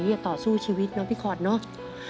จะต่อสู้ชีวิตเนาะพี่ขอดเนอะ